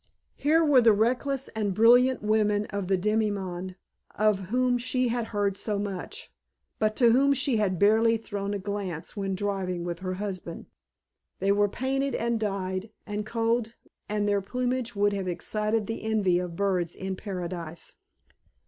Here were the reckless and brilliant women of the demi monde of whom she had heard so much, but to whom she had barely thrown a glance when driving with her husband. They were painted and dyed and kohled and their plumage would have excited the envy of birds in Paradise.